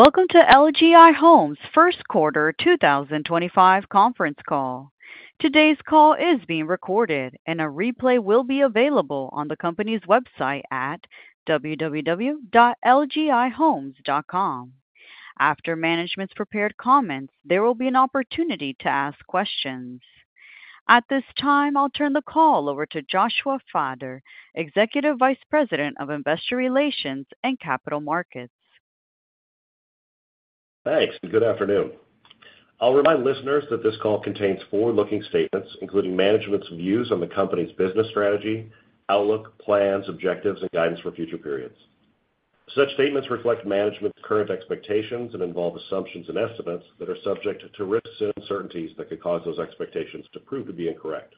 Welcome to LGI Homes' first quarter 2025 conference call. Today's call is being recorded, and a replay will be available on the company's website at www.lgihomes.com. After management's prepared comments, there will be an opportunity to ask questions. At this time, I'll turn the call over to Joshua Fattor, Executive Vice President of Investor Relations and Capital Markets. Thanks, and good afternoon. I'll remind listeners that this call contains forward-looking statements, including management's views on the company's business strategy, outlook, plans, objectives, and guidance for future periods. Such statements reflect management's current expectations and involve assumptions and estimates that are subject to risks and uncertainties that could cause those expectations to prove to be incorrect.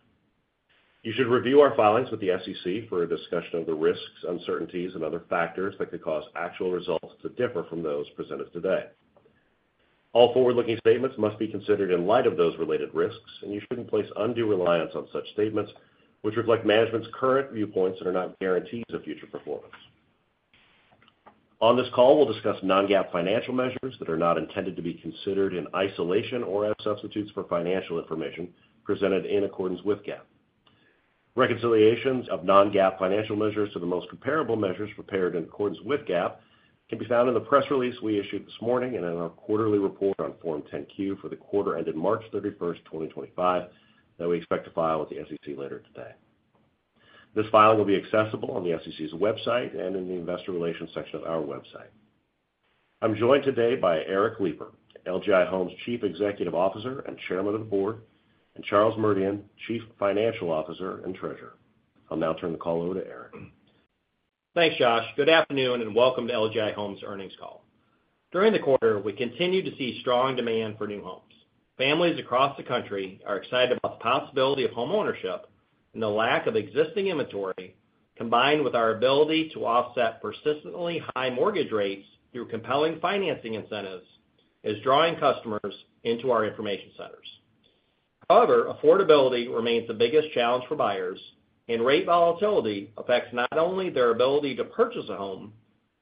You should review our filings with the SEC for a discussion of the risks, uncertainties, and other factors that could cause actual results to differ from those presented today. All forward-looking statements must be considered in light of those related risks, and you shouldn't place undue reliance on such statements, which reflect management's current view points and are not guarantees of future performance. On this call, we'll discuss non-GAAP financial measures that are not intended to be considered in isolation or as substitutes for financial information presented in accordance with GAAP. Reconciliations of non-GAAP financial measures to the most comparable measures prepared in accordance with GAAP can be found in the press release we issued this morning and in our quarterly report on Form 10-Q for the quarter ended March 31, 2025, that we expect to file with the SEC later today. This file will be accessible on the SEC's website and in the Investor Relations section of our website. I'm joined today by Eric Lipar, LGI Homes Chief Executive Officer and Chairman of the Board, and Charles Merdian, Chief Financial Officer and Treasurer. I'll now turn the call over to Eric. Thanks, Josh. Good afternoon and welcome to LGI Homes' earnings call. During the quarter, we continue to see strong demand for new homes. Families across the country are excited about the possibility of homeownership, and the lack of existing inventory, combined with our ability to offset persistently high mortgage rates through compelling financing incentives, is drawing customers into our information centers. However, affordability remains the biggest challenge for buyers, and rate volatility affects not only their ability to purchase a home,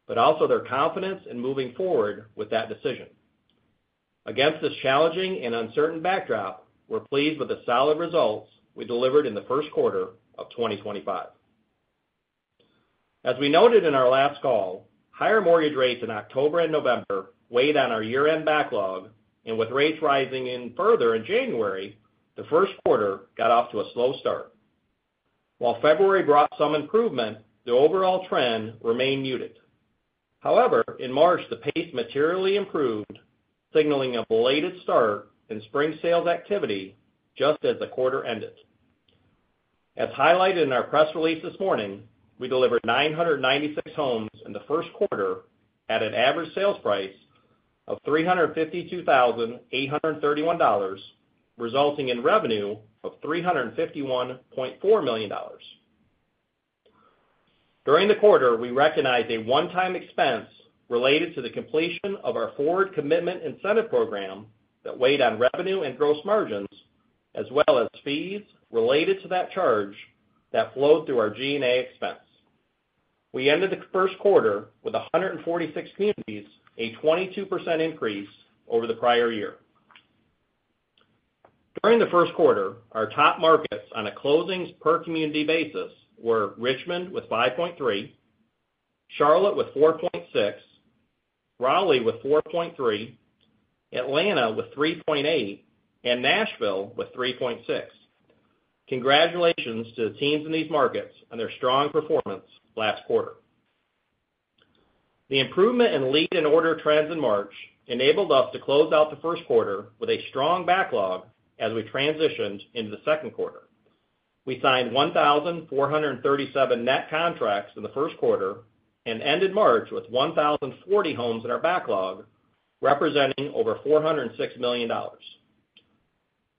but also their confidence in moving forward with that decision. Against this challenging and uncertain backdrop, we're pleased with the solid results we delivered in the first quarter of 2025. As we noted in our last call, higher mortgage rates in October and November weighed on our year-end backlog, and with rates rising further in January, the first quarter got off to a slow start. While February brought some improvement, the overall trend remained muted. However, in March, the pace materially improved, signaling a belated start in spring sales activity just as the quarter ended. As highlighted in our press release this morning, we delivered 996 homes in the first quarter at an average sales price of $352,831 resulting in revenue of $351.4 million. During the quarter, we recognized a one-time expense related to the completion of our forward commitment incentive program that weighed on revenue and gross margins, as well as fees related to that charge that flowed through our G&A expense. We ended the first quarter with 146 communities, a 22% increase over the prior year. During the first quarter, our top markets on a closings-per-community basis were Richmond with 5.3, Charlotte with 4.6, Raleigh with 4.3, Atlanta with 3.8, and Nashville with 3.6. Congratulations to the teams in these markets on their strong performance last quarter. The improvement in lead and order trends in March enabled us to close out the first quarter with a strong backlog as we transitioned into the second quarter. We signed 1,437 net contracts in the first quarter and ended March with 1,040 homes in our backlog, representing over $406 million.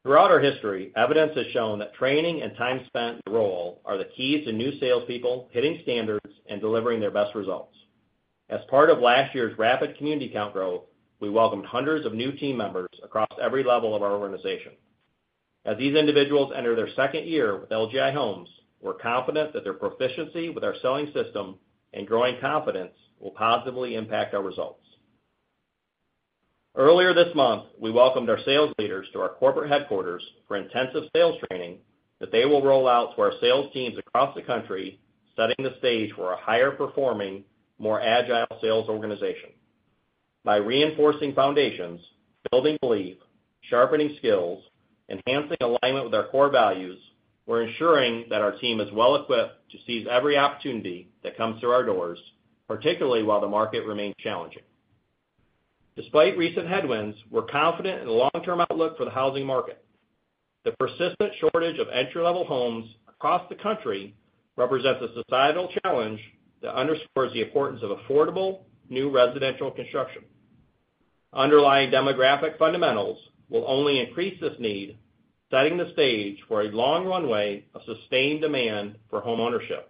Throughout our history, evidence has shown that training and time spent in the role are the keys to new salespeople hitting standards and delivering their best results. As part of last year's rapid community account growth, we welcomed hundreds of new team members across every level of our organization. As these individuals enter their second year with LGI Homes, we're confident that their proficiency with our selling system and growing confidence will positively impact our results. Earlier this month, we welcomed our sales leaders to our corporate headquarters for intensive sales training that they will roll out to our sales teams across the country, setting the stage for a higher-performing, more agile sales organization. By reinforcing foundations, building belief, sharpening skills, enhancing alignment with our core values, we're ensuring that our team is well equipped to seize every opportunity that comes through our doors, particularly while the market remains challenging. Despite recent headwinds, we're confident in the long-term outlook for the housing market. The persistent shortage of entry-level homes across the country represents a societal challenge that underscores the importance of affordable new residential construction. Underlying demographic fundamentals will only increase this need, setting the stage for a long runway of sustained demand for homeownership.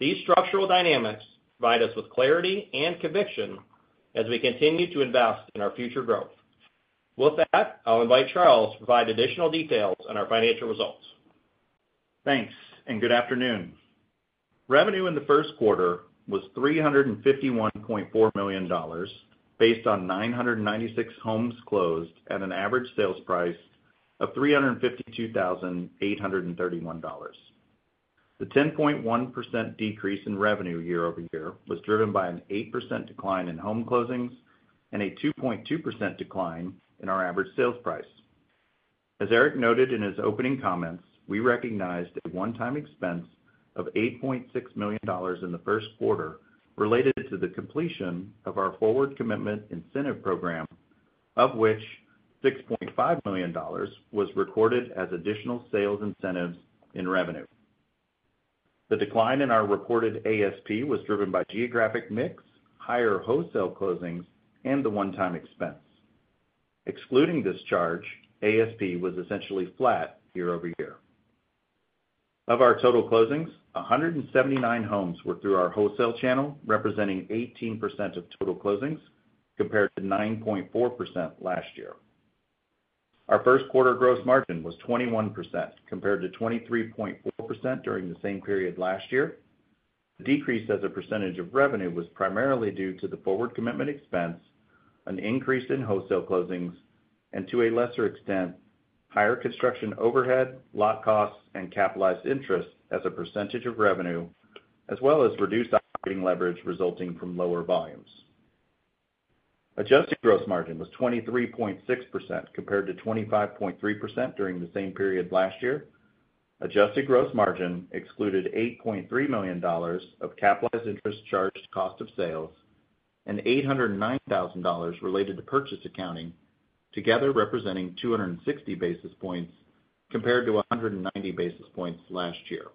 These structural dynamics provide us with clarity and conviction as we continue to invest in our future growth. With that, I'll invite Charles to provide additional details on our financial results. Thanks, and good afternoon. Revenue in the first quarter was $351.4 million based on 996 homes closed at an average sales price of $352,831. The 10.1% decrease in revenue year-over-year was driven by an 8% decline in home closings and a 2.2% decline in our average sales price. As Eric noted in his opening comments, we recognized a one-time expense of $8.6 million in the first quarter related to the completion of our forward commitment incentive program, of which $6.5 million was recorded as additional sales incentives in revenue. The decline in our reported ASP was driven by geographic mix, higher wholesale closings, and the one-time expense. Excluding this charge, ASP was essentially flat year-over-year. Of our total closings, 179 homes were through our wholesale channel, representing 18% of total closings compared to 9.4% last year. Our first quarter gross margin was 21% compared to 23.4% during the same period last year. The decrease as a percentage of revenue was primarily due to the forward commitment expense, an increase in wholesale closings, and to a lesser extent, higher construction overhead, lot costs, and capitalized interest as a percentage of revenue, as well as reduced operating leverage resulting from lower volumes. Adjusted gross margin was 23.6% compared to 25.3% during the same period last year. Adjusted gross margin excluded $8.3 million of capitalized interest charged to cost of sales and $809,000 related to purchase accounting, together representing 260 basis points compared to 190 basis points last year.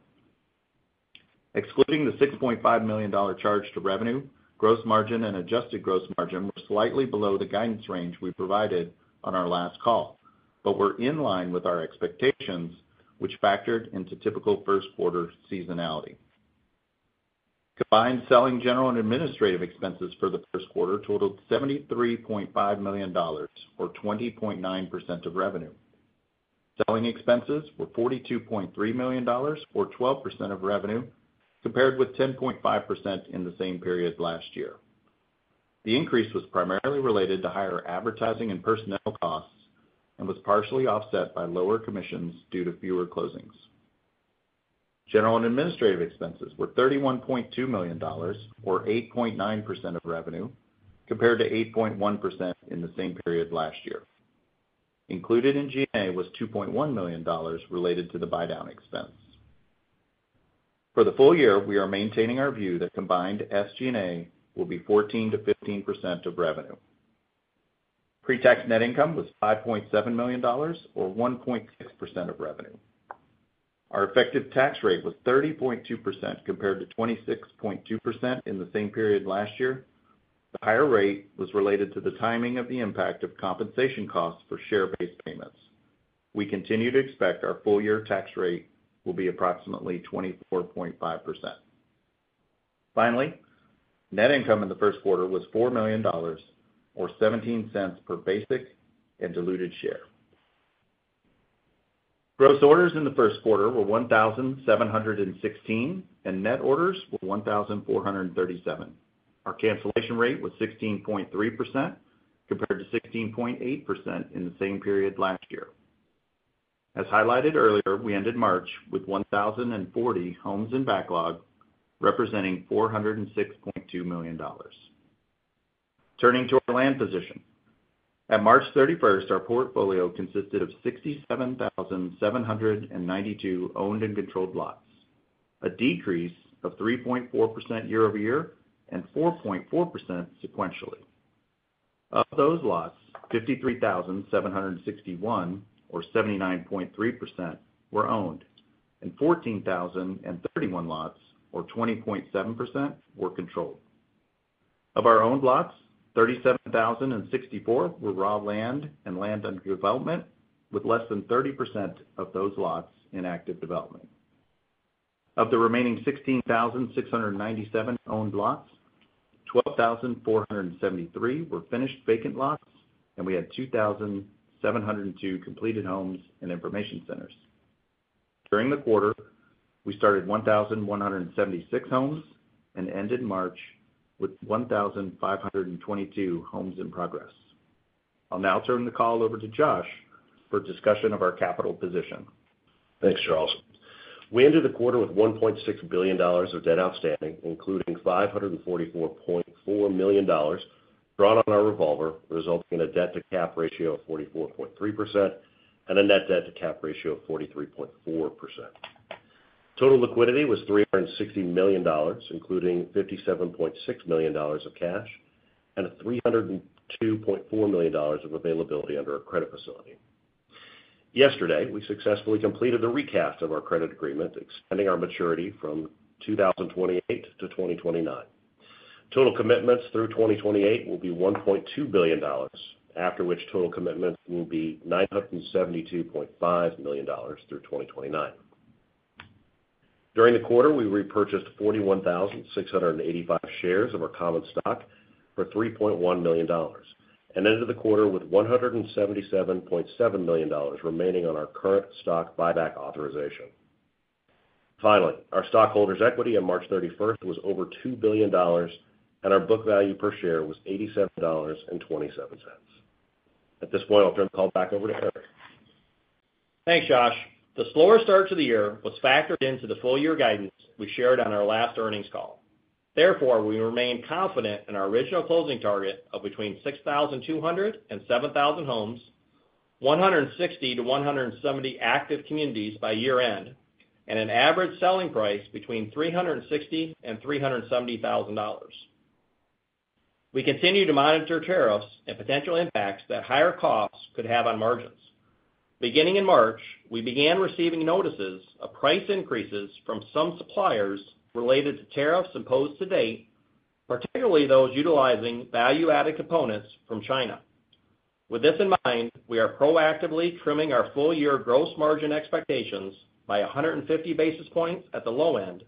Excluding the $6.5 million charged to revenue, gross margin and adjusted gross margin were slightly below the guidance range we provided on our last call, but were in line with our expectations, which factored into typical first-quarter seasonality. Combined selling general and administrative expenses for the first quarter total $73.5 million, or 20.9% of revenue. Selling expenses were $42.3 million, or 12% of revenue, compared with 10.5% in the same period last year. The increase was primarily related to higher advertising and personnel costs and was partially offset by lower commissions due to fewer closings. General and administrative expenses were $31.2 million, or 8.9% of revenue, compared to 8.1% in the same period last year. Included in G&A was $2.1 million related to the buydown expense. For the full year, we are maintaining our view that combined SG&A will be 14% of revenue. Pretax net income was $5.7 million, or 1.6% of revenue. Our effective tax rate was 30.2% compared to 26.2% in the same period last year. The higher rate was related to the timing of the impact of compensation costs for share-based payments. We continue to expect our full-year tax rate will be approximately 24.5%. Finally, net income in the first quarter was $4 million, or 17 cents per basic and diluted share. Gross orders in the first quarter were 1,716, and net orders were 1,437. Our cancellation rate was 16.3% compared to 16.8% in the same period last year. As highlighted earlier, we ended March with 1,040 homes in backlog, representing $406.2 million. Turning to our land position. At March 31st, our portfolio consisted of 67,792 owned and controlled lots, a decrease of 3.4% year-over-year and 4.4% sequentially. Of those lots, 53,761, or 79.3%, were owned, and 14,031 lots, or 20.7%, were controlled. Of our owned lots, 37,064 were raw land and land under development, with less than 30% of those lots in active development. Of the remaining 16,697 owned lots, 12,473 were finished vacant lots, and we had 2,702 completed homes and information centers. During the quarter, we started 1,176 homes and ended March with 1,522 homes in progress. I'll now turn the call over to Josh for discussion of our capital position. Thanks, Charles. We ended the quarter with $1.6 billion of debt outstanding, including $544.4 million drawn on our revolver, resulting in a debt-to-cap ratio of 44.3% and a net debt-to-cap ratio of 43.4%. Total liquidity was $360 million, including $57.6 million of cash and $302.4 million of availability under our credit facility. Yesterday, we successfully completed the recast of our credit agreement, extending our maturity from 2028 to 2029. Total commitments through 2028 will be $1.2 billion, after which total commitments will be $972.5 million through 2029. During the quarter, we repurchased 41,685 shares of our common stock for $3.1 million and ended the quarter with $177.7 million remaining on our current stock buyback authorization. Finally, our stockholders' equity on March 31st was over $2 billion, and our book value per share was $87.27. At this point, I'll turn the call back over to Eric. Thanks, Josh. The slower start to the year was factored into the full-year guidance we shared on our last earnings call. Therefore, we remain confident in our original closing target of between 6,200 and 7,000 homes, 170 active communities by year-end, and an average selling price between $360,000 and $370,000. We continue to monitor tariffs and potential impacts that higher costs could have on margins. Beginning in March, we began receiving notices of price increases from some suppliers related to tariffs imposed to date, particularly those utilizing value-added components from China. With this in mind, we are proactively trimming our full-year gross margin expectations by 150 basis points at the low end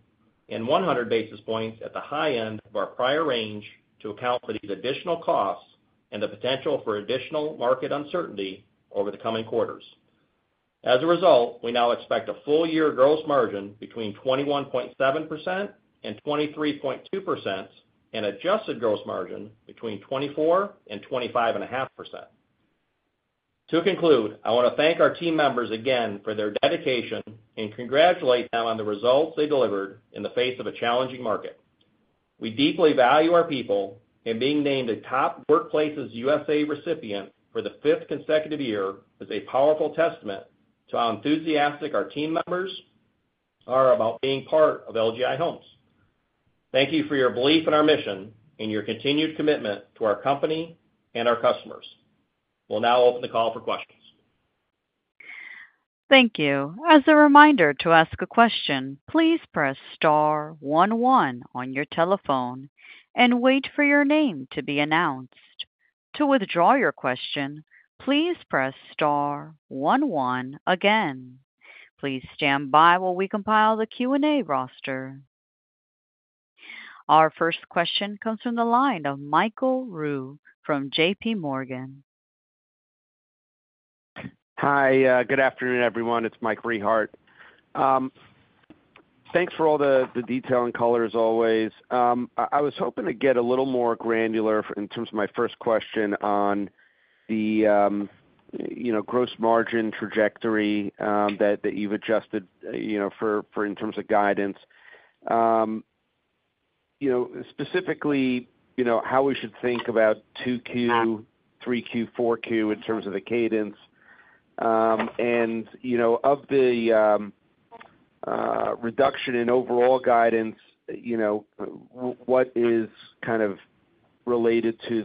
and 100 basis points at the high end of our prior range to account for these additional costs and the potential for additional market uncertainty over the coming quarters. As a result, we now expect a full-year gross margin between 21.7% and 23.2% and adjusted gross margin between 24% and 25.5%. To conclude, I want to thank our team members again for their dedication and congratulate them on the results they delivered in the face of a challenging market. We deeply value our people, and being named a Top Workplaces USA recipient for the fifth consecutive year is a powerful testament to how enthusiastic our team members are about being part of LGI Homes. Thank you for your belief in our mission and your continued commitment to our company and our customers. We'll now open the call for questions. Thank you. As a reminder to ask a question, please press star one one on your telephone and wait for your name to be announced. To withdraw your question, please press star one one again. Please stand by while we compile the Q&A roster. Our first question comes from the line of Michael Rehaut from J.P. Morgan. Hi, good afternoon, everyone. It's Mike Rehaut. Thanks for all the detail and color, as always. I was hoping to get a little more granular in terms of my first question on the gross margin trajectory that you've adjusted in terms of guidance, specifically how we should think about 2Q, 3Q, 4Q in terms of the cadence. Of the reduction in overall guidance, what is kind of related to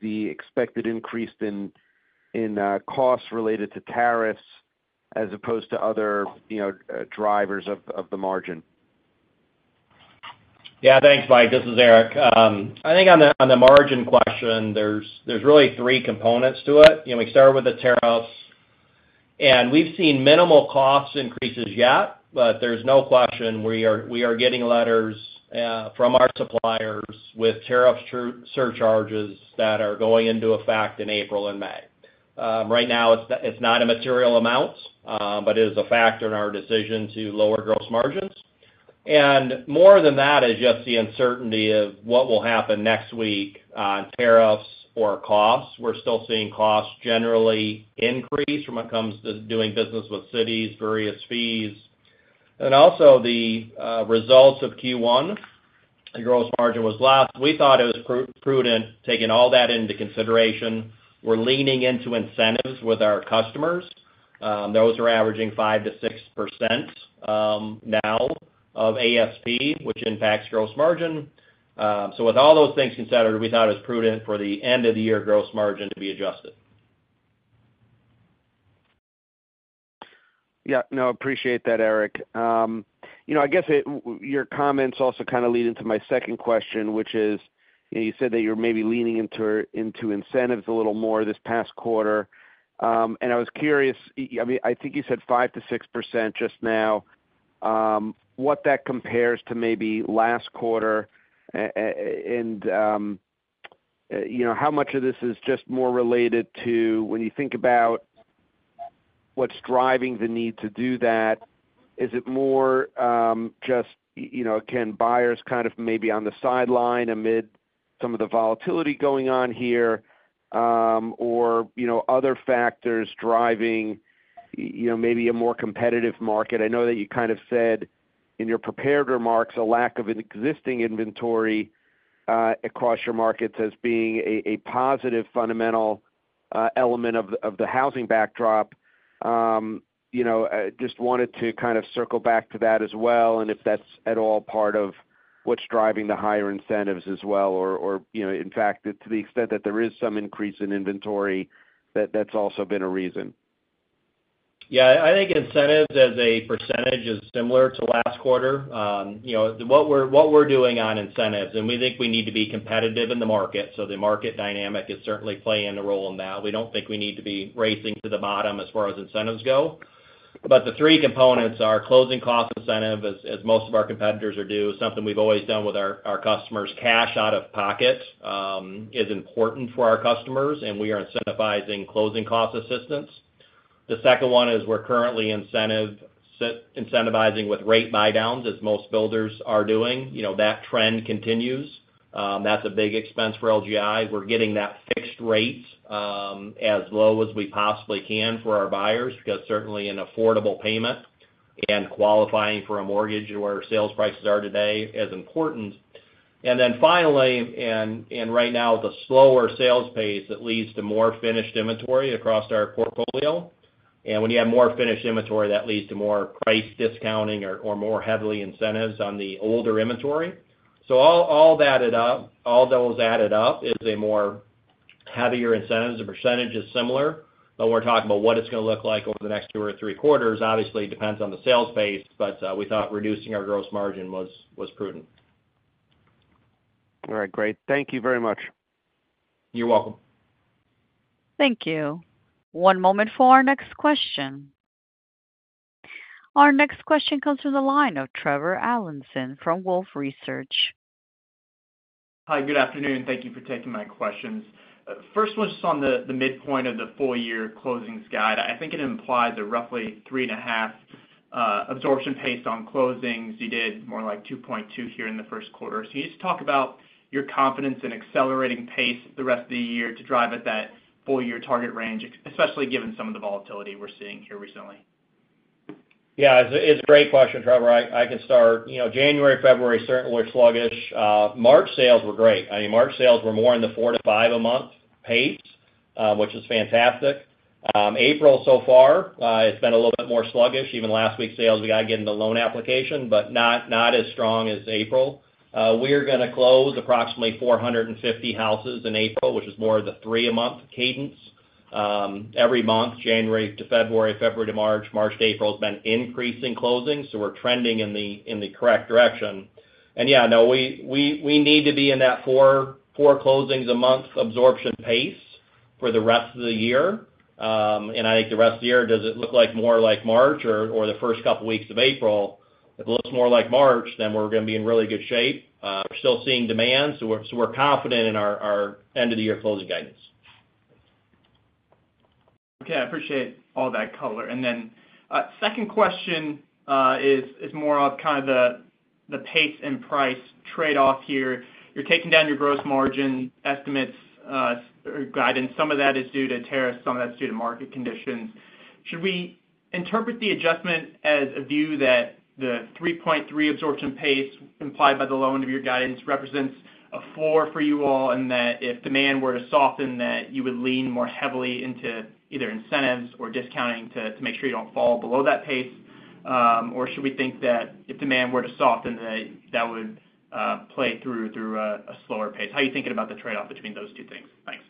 the expected increase in costs related to tariffs as opposed to other drivers of the margin? Yeah, thanks, Mike. This is Eric. I think on the margin question, there's really three components to it. We started with the tariffs, and we've seen minimal cost increases yet, but there's no question we are getting letters from our suppliers with tariff surcharges that are going into effect in April and May. Right now, it's not a material amount, but it is a factor in our decision to lower gross margins. More than that is just the uncertainty of what will happen next week on tariffs or costs. We're still seeing costs generally increase when it comes to doing business with cities, various fees. Also, the results of Q1, the gross margin was lost. We thought it was prudent taking all that into consideration. We're leaning into incentives with our customers. Those are averaging 5% to 6% now of ASP, which impacts gross margin. With all those things considered, we thought it was prudent for the end-of-the-year gross margin to be adjusted. Yeah, no, I appreciate that, Eric. I guess your comments also kind of lead into my second question, which is you said that you're maybe leaning into incentives a little more this past quarter. I was curious, I think you said 5% to 6% just now. What that compares to maybe last quarter? How much of this is just more related to when you think about what's driving the need to do that? Is it more just, again, buyers kind of maybe on the sideline amid some of the volatility going on here or other factors driving maybe a more competitive market? I know that you kind of said in your prepared remarks a lack of existing inventory across your markets as being a positive fundamental element of the housing backdrop. Just wanted to kind of circle back to that as well, and if that's at all part of what's driving the higher incentives as well, or in fact, to the extent that there is some increase in inventory, that's also been a reason. Yeah, I think incentives as a percentage is similar to last quarter. What we're doing on incentives, and we think we need to be competitive in the market, so the market dynamic is certainly playing a role in that. We don't think we need to be racing to the bottom as far as incentives go. The three components are closing cost incentive, as most of our competitors are doing, something we've always done with our customers. Cash out of pocket is important for our customers, and we are incentivizing closing cost assistance. The second one is we're currently incentivizing with rate buydowns, as most builders are doing. That trend continues. That's a big expense for LGI. We're getting that fixed rate as low as we possibly can for our buyers because certainly an affordable payment and qualifying for a mortgage where sales prices are today is important. Finally, right now, the slower sales pace leads to more finished inventory across our portfolio. When you have more finished inventory, that leads to more price discounting or more heavy incentives on the older inventory. All those added up is a more heavy incentive. The percentage is similar, but we are talking about what it is going to look like over the next two or three quarters. Obviously, it depends on the sales pace, but we thought reducing our gross margin was prudent. All right, great. Thank you very much. You're welcome. Thank you. One moment for our next question. Our next question comes from the line of Trevor Allinson from Wolfe Research. Hi, good afternoon. Thank you for taking my questions. First one's just on the midpoint of the full-year closings guide. I think it implies a roughly 3.5 absorption pace on closings. You did more like 2.2 here in the first quarter. Can you just talk about your confidence in accelerating pace the rest of the year to drive at that full-year target range, especially given some of the volatility we're seeing here recently? Yeah, it's a great question, Trevor. I can start. January, February certainly were sluggish. March sales were great. I mean, March sales were more in the four to five a month pace, which is fantastic. April, so far, it's been a little bit more sluggish. Even last week's sales, we got to get into loan application, but not as strong as April. We are going to close approximately 450 houses in April, which is more of the three-a-month cadence. Every month, January to February, February to March, March to April, has been increasing closings, so we're trending in the correct direction. Yeah, no, we need to be in that four closings-a-month absorption pace for the rest of the year. I think the rest of the year, does it look like more like March or the first couple of weeks of April? If it looks more like March, then we're going to be in really good shape. We're still seeing demand, so we're confident in our end-of-the-year closing guidance. Okay, I appreciate all that color. The second question is more of kind of the pace and price trade-off here. You're taking down your gross margin estimates or guidance. Some of that is due to tariffs, some of that's due to market conditions. Should we interpret the adjustment as a view that the 3.3 absorption pace implied by the low end of your guidance represents a floor for you all and that if demand were to soften, that you would lean more heavily into either incentives or discounting to make sure you don't fall below that pace? Should we think that if demand were to soften, that would play through a slower pace? How are you thinking about the trade-off between those two things? Thanks.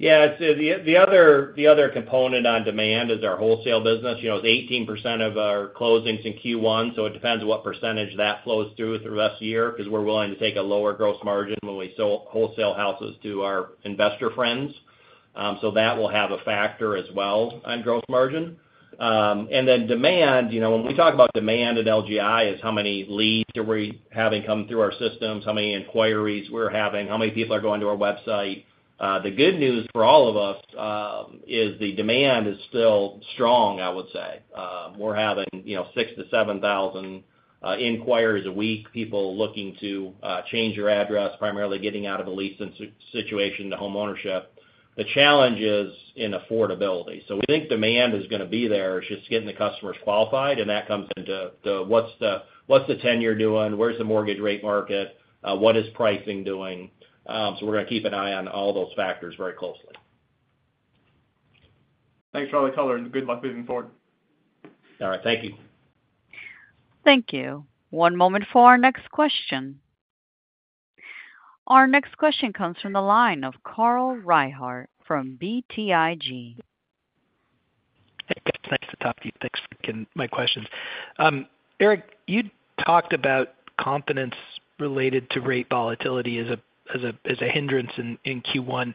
Yeah, so the other component on demand is our wholesale business. It's 18% of our closings in Q1, so it depends on what percentage that flows through for the rest of the year because we're willing to take a lower gross margin when we wholesale houses to our investor friends. That will have a factor as well on gross margin. Demand, when we talk about demand at LGI, is how many leads are we having come through our systems, how many inquiries we're having, how many people are going to our website. The good news for all of us is the demand is still strong, I would say. We're having 6,000 to 7,000 inquiries a week, people looking to change their address, primarily getting out of a lease situation to homeownership. The challenge is in affordability. We think demand is going to be there. It's just getting the customers qualified, and that comes into what's the tenure doing, where's the mortgage rate market, what is pricing doing. We are going to keep an eye on all those factors very closely. Thanks for all the color, and good luck moving forward. All right, thank you. Thank you. One moment for our next question. Our next question comes from the line of Carl Reichardt from BTIG. Hey, guys, nice to talk to you. Thanks for my questions. Eric, you talked about confidence related to rate volatility as a hindrance in Q1.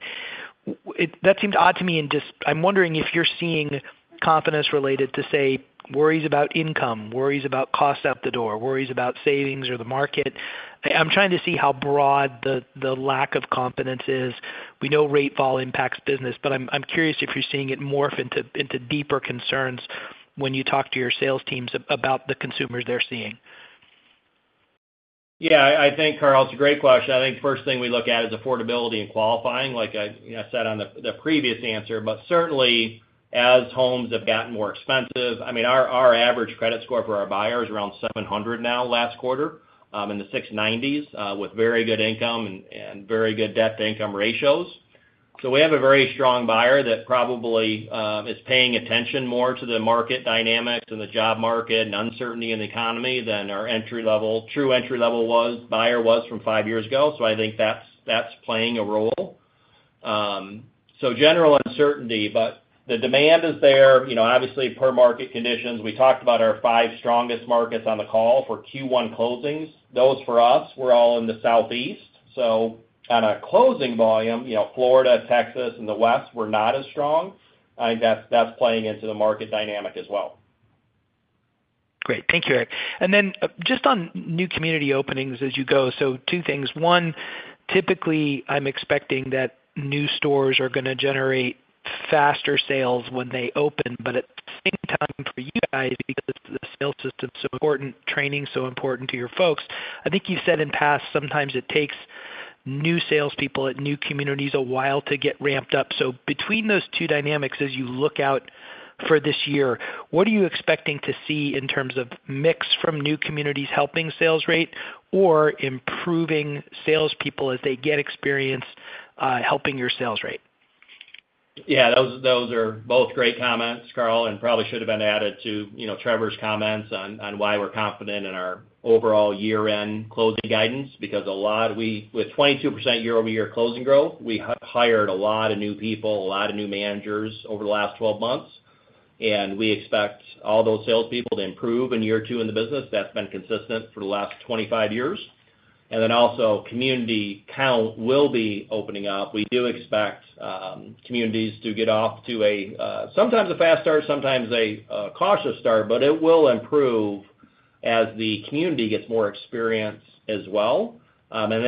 That seemed odd to me, and I'm wondering if you're seeing confidence related to, say, worries about income, worries about costs out the door, worries about savings or the market. I'm trying to see how broad the lack of confidence is. We know rate fall impacts business, but I'm curious if you're seeing it morph into deeper concerns when you talk to your sales teams about the consumers they're seeing. Yeah, I think, Carl, it's a great question. I think the first thing we look at is affordability and qualifying, like I said on the previous answer. Certainly, as homes have gotten more expensive, I mean, our average credit score for our buyer is around 700 now. Last quarter in the 690s with very good income and very good debt-to-income ratios. We have a very strong buyer that probably is paying attention more to the market dynamics and the job market and uncertainty in the economy than our entry-level, true entry-level buyer was from five years ago. I think that's playing a role. General uncertainty, but the demand is there. Obviously, per market conditions, we talked about our five strongest markets on the call for Q1 closings. Those for us were all in the Southeast. On a closing volume, Florida, Texas, and the West were not as strong. I think that's playing into the market dynamic as well. Great. Thank you, Eric. Just on new community openings as you go, two things. One, typically, I'm expecting that new stores are going to generate faster sales when they open, but at the same time for you guys, because the sales system's so important, training's so important to your folks, I think you've said in the past, sometimes it takes new salespeople at new communities a while to get ramped up. Between those two dynamics, as you look out for this year, what are you expecting to see in terms of mix from new communities helping sales rate or improving salespeople as they get experience helping your sales rate? Yeah, those are both great comments, Carl, and probably should have been added to Trevor's comments on why we're confident in our overall year-end closing guidance because with 22% year-over-year closing growth, we hired a lot of new people, a lot of new managers over the last 12 months. We expect all those salespeople to improve in year two in the business. That's been consistent for the last 25 years. Also, community count will be opening up. We do expect communities to get off to sometimes a fast start, sometimes a cautious start, but it will improve as the community gets more experience as well.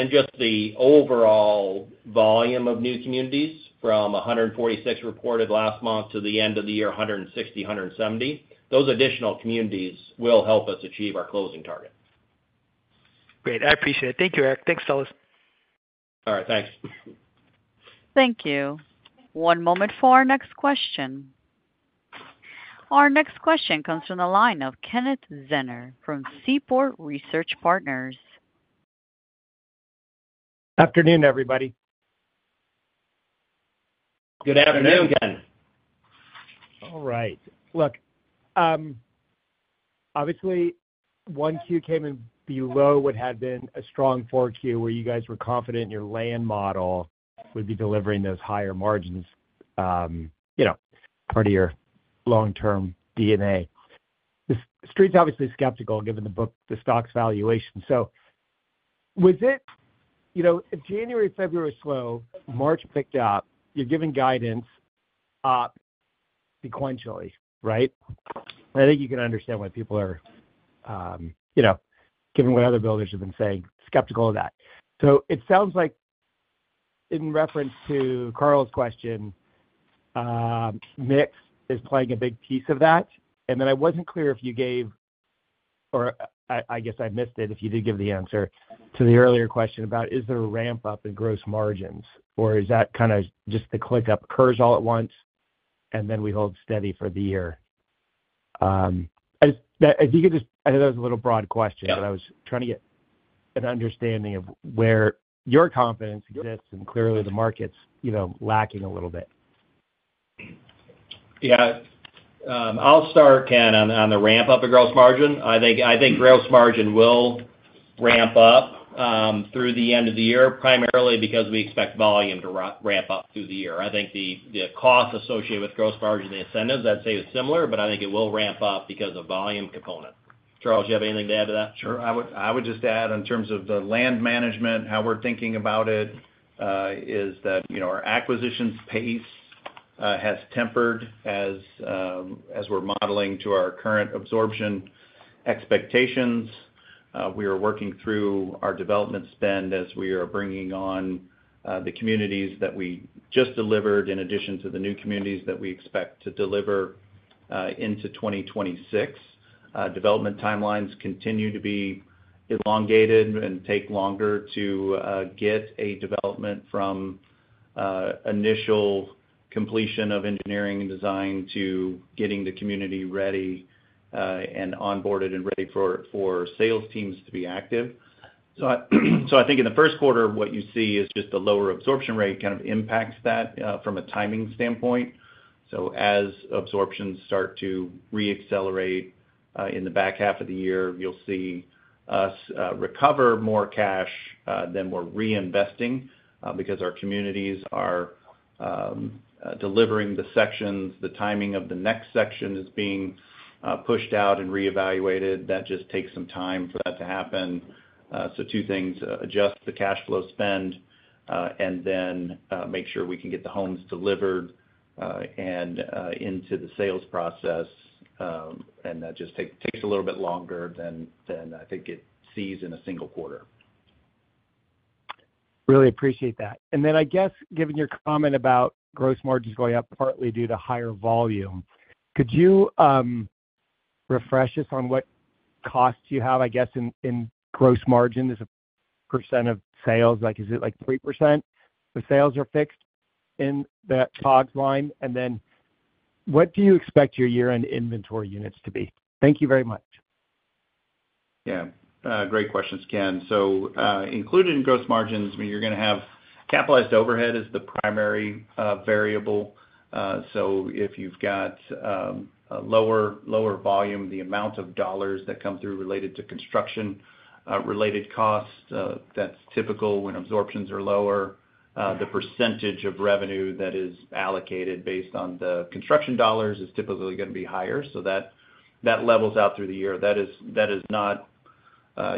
Just the overall volume of new communities from 146 reported last month to the end of the year, 160-170, those additional communities will help us achieve our closing target. Great. I appreciate it. Thank you, Eric. Thanks, fellows. All right, thanks. Thank you. One moment for our next question. Our next question comes from the line of Kenneth Zener from Seaport Research Partners. Afternoon, everybody. Good afternoon again. All right. Look, obviously, 1Q came in below what had been a strong four Q where you guys were confident in your land model would be delivering those higher margins, part of your long-term DNA. Street's obviously skeptical given the stock's valuation. With it, if January and February are slow, March picked up, you're giving guidance up sequentially, right? I think you can understand why people are, given what other builders have been saying, skeptical of that. It sounds like in reference to Carl's question, mix is playing a big piece of that. I wasn't clear if you gave, or I guess I missed it if you did give the answer to the earlier question about is there a ramp-up in gross margins, or is that kind of just the click-up occurs all at once and then we hold steady for the year? If you could just—I think that was a little broad question, but I was trying to get an understanding of where your confidence exists and clearly the market's lacking a little bit. Yeah. I'll start, Ken, on the ramp-up of gross margin. I think gross margin will ramp up through the end of the year, primarily because we expect volume to ramp up through the year. I think the cost associated with gross margin and the incentives, I'd say, is similar, but I think it will ramp up because of volume component. Charles, do you have anything to add to that? Sure. I would just add in terms of the land management, how we're thinking about it is that our acquisitions pace has tempered as we're modeling to our current absorption expectations. We are working through our development spend as we are bringing on the communities that we just delivered in addition to the new communities that we expect to deliver into 2026. Development timelines continue to be elongated and take longer to get a development from initial completion of engineering and design to getting the community ready and onboarded and ready for sales teams to be active. I think in the first quarter, what you see is just a lower absorption rate kind of impacts that from a timing standpoint. As absorptions start to re-accelerate in the back half of the year, you'll see us recover more cash than we're reinvesting because our communities are delivering the sections. The timing of the next section is being pushed out and re-evaluated. That just takes some time for that to happen. Two things: adjust the cash flow spend and then make sure we can get the homes delivered and into the sales process. That just takes a little bit longer than I think it sees in a single quarter. Really appreciate that. I guess, given your comment about gross margins going up partly due to higher volume, could you refresh us on what costs you have, I guess, in gross margin as a percent of sales? Is it like 3% if sales are fixed in that COGS line? What do you expect your year-end inventory units to be? Thank you very much. Yeah. Great questions, Ken. Included in gross margins, when you're going to have capitalized overhead as the primary variable. If you've got lower volume, the amount of dollars that come through related to construction-related costs, that's typical when absorptions are lower. The percentage of revenue that is allocated based on the construction dollars is typically going to be higher. That levels out through the year. That is not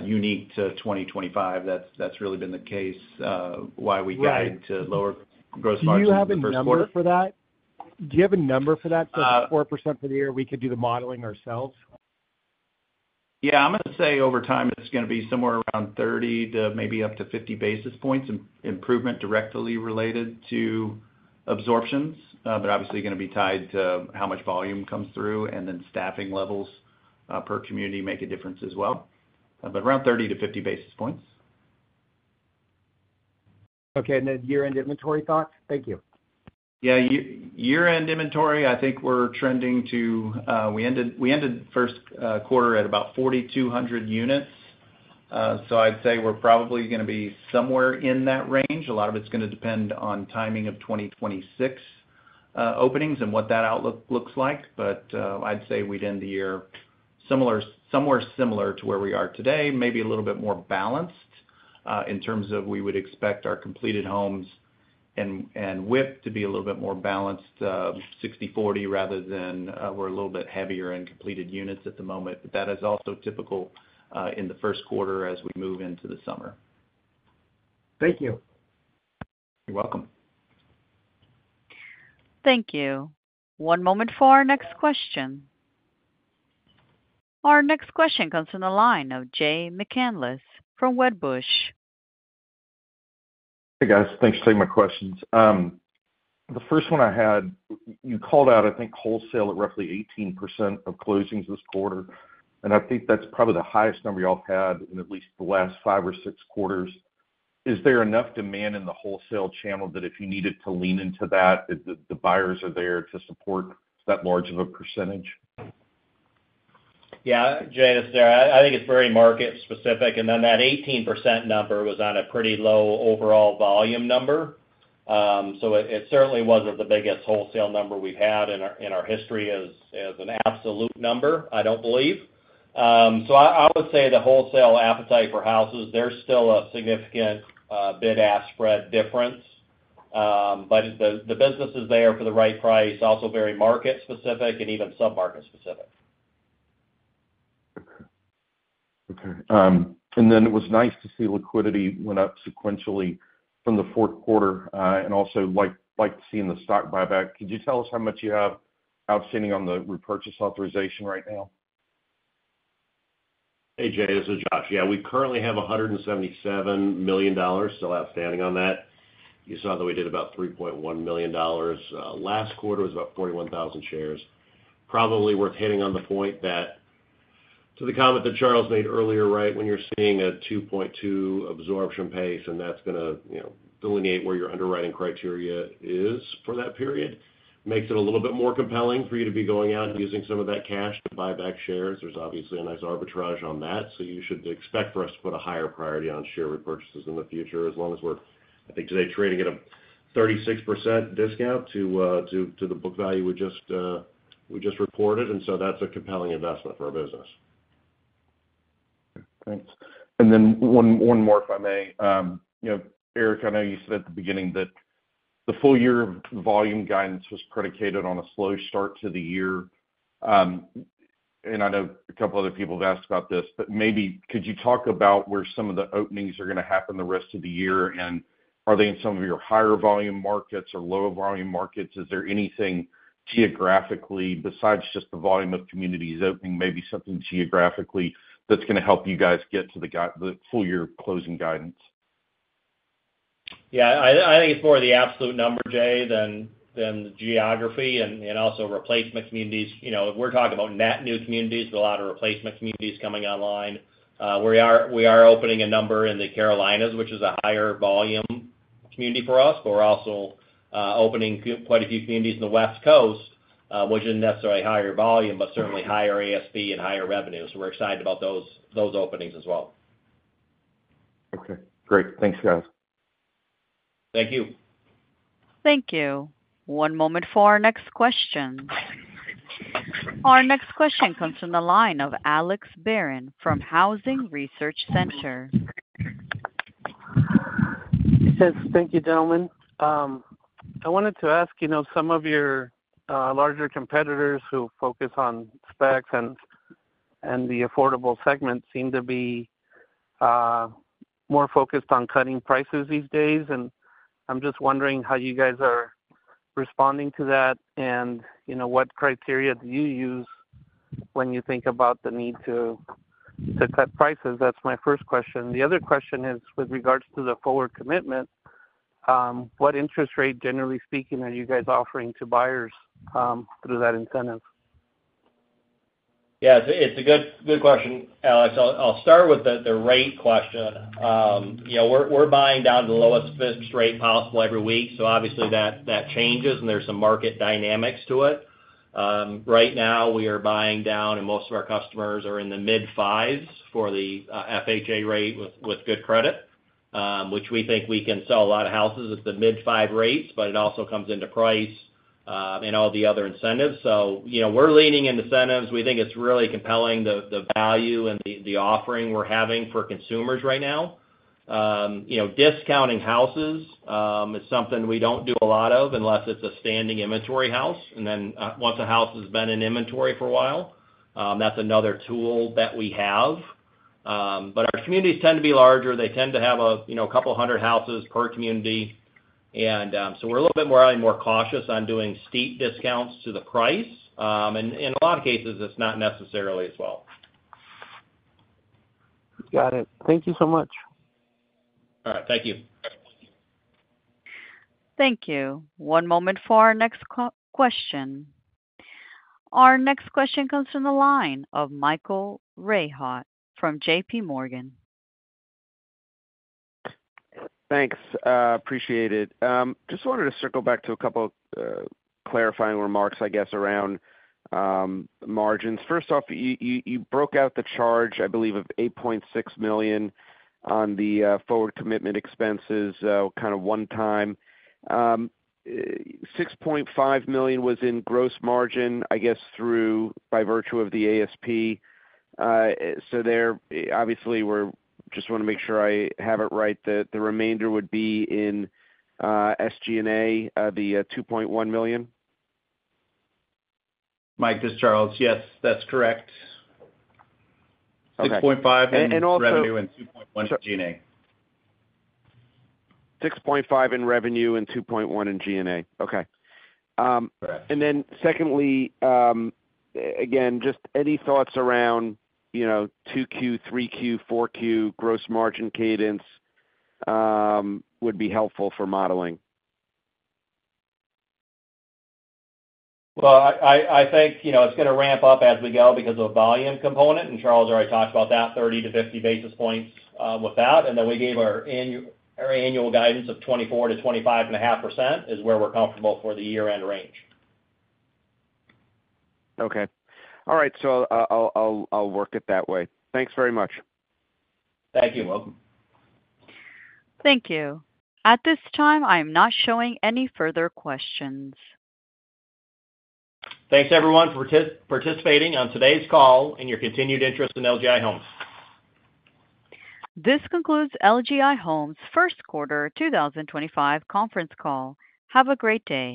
unique to 2025. That has really been the case why we guided to lower gross margins in the first quarter. Do you have a number for that? Do you have a number for that, said 4% for the year? We could do the modeling ourselves. Yeah. I'm going to say over time, it's going to be somewhere around 30 to maybe up to 50 basis points of improvement directly related to absorptions, but obviously going to be tied to how much volume comes through. Staffing levels per community make a difference as well. Around 30 to 50 basis points. Okay. Year-end inventory thoughts? Thank you. Yeah. Year-end inventory, I think we're trending to—we ended first quarter at about 4,200 units. I'd say we're probably going to be somewhere in that range. A lot of it's going to depend on timing of 2026 openings and what that outlook looks like. I'd say we'd end the year somewhere similar to where we are today, maybe a little bit more balanced in terms of we would expect our completed homes and WIP to be a little bit more balanced, 60/40, rather than we're a little bit heavier in completed units at the moment. That is also typical in the first quarter as we move into the summer. Thank you. You're welcome. Thank you. One moment for our next question. Our next question comes from the line of Jay McCanless from Wedbush. Hey, guys. Thanks for taking my questions. The first one I had, you called out, I think, wholesale at roughly 18% of closings this quarter. I think that's probably the highest number y'all have had in at least the last five or six quarters. Is there enough demand in the wholesale channel that if you needed to lean into that, the buyers are there to support that large of a percentage? Yeah. Jay, this is Eric. I think it's very market-specific. That 18% number was on a pretty low overall volume number. It certainly wasn't the biggest wholesale number we've had in our history as an absolute number, I don't believe. I would say the wholesale appetite for houses, there's still a significant bid-ask spread difference. The business is there for the right price, also very market-specific and even sub-market-specific. Okay. It was nice to see liquidity went up sequentially from the fourth quarter and also like to see in the stock buyback. Could you tell us how much you have outstanding on the repurchase authorization right now? Hey, Jay. This is Josh. Yeah. We currently have $177 million still outstanding on that. You saw that we did about $3.1 million. Last quarter was about 41,000 shares. Probably worth hitting on the point that to the comment that Charles made earlier, right, when you're seeing a 2.2 absorption pace, and that's going to delineate where your underwriting criteria is for that period, makes it a little bit more compelling for you to be going out and using some of that cash to buy back shares. There's obviously a nice arbitrage on that. You should expect for us to put a higher priority on share repurchases in the future as long as we're, I think today, trading at a 36% discount to the book value we just reported. That is a compelling investment for our business. Thanks. One more if I may. Eric, I know you said at the beginning that the full year of volume guidance was predicated on a slow start to the year. I know a couple of other people have asked about this, but maybe could you talk about where some of the openings are going to happen the rest of the year? Are they in some of your higher volume markets or lower volume markets? Is there anything geographically besides just the volume of communities opening, maybe something geographically that's going to help you guys get to the full year closing guidance? Yeah. I think it's more the absolute number, Jay, than the geography and also replacement communities. We're talking about net new communities, but a lot of replacement communities coming online. We are opening a number in the Carolinas, which is a higher volume community for us, but we're also opening quite a few communities in the West Coast, which isn't necessarily higher volume, but certainly higher ASP and higher revenue. We are excited about those openings as well. Okay. Great. Thanks, guys. Thank you. Thank you. One moment for our next question. Our next question comes from the line of Alex Barron from Housing Research Center. Thank you, gentlemen. I wanted to ask, some of your larger competitors who focus on specs and the affordable segment seem to be more focused on cutting prices these days. I am just wondering how you guys are responding to that and what criteria do you use when you think about the need to cut prices?" That is my first question. The other question is with regards to the forward commitment, what interest rate, generally speaking, are you guys offering to buyers through that incentive? Yeah. It's a good question, Alex. I'll start with the rate question. We're buying down to the lowest fixed rate possible every week. Obviously, that changes and there's some market dynamics to it. Right now, we are buying down, and most of our customers are in the mid-5s for the FHA rate with good credit, which we think we can sell a lot of houses at the mid-5 rates, but it also comes into price and all the other incentives. We're leaning in the incentives. We think it's really compelling, the value and the offering we're having for consumers right now. Discounting houses is something we don't do a lot of unless it's a standing inventory house. Once a house has been in inventory for a while, that's another tool that we have. Our communities tend to be larger. They tend to have a couple hundred houses per community. We're a little bit more cautious on doing steep discounts to the price. In a lot of cases, it's not necessarily as well. Got it. Thank you so much. All right. Thank you. Thank you. One moment for our next question. Our next question comes from the line of Michael Rehaut from J.P. Morgan. Thanks. Appreciate it. Just wanted to circle back to a couple clarifying remarks, I guess, around margins. First off, you broke out the charge, I believe, of $8.6 million on the forward commitment expenses, kind of one time. $6.5 million was in gross margin, I guess, by virtue of the ASP. So there, obviously, we're just wanting to make sure I have it right, that the remainder would be in SG&A, the $2.1 million? Mike, this is Charles. Yes, that's correct. $6.5 million in revenue and $2.1 million in G&A. $6.5 million in revenue and $2.1 million in G&A. Okay. Secondly, just any thoughts around 2Q, 3Q, 4Q gross margin cadence would be helpful for modeling? I think it's going to ramp up as we go because of a volume component. Charles already talked about that, 30 to 50 basis points with that. We gave our annual guidance of 24% to 25.5% is where we're comfortable for the year-end range. Okay. All right. I'll work it that way. Thanks very much. Thank you. You're welcome. Thank you. At this time, I am not showing any further questions. Thanks, everyone, for participating on today's call and your continued interest in LGI Homes. This concludes LGI Homes' first quarter 2025 conference call. Have a great day.